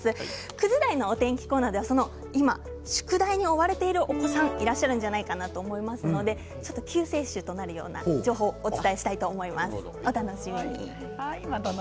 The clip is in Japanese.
９時台のお天気コーナーでは今、宿題に追われているお子さんがいらっしゃると思いますので救世主となるような情報をお伝えします。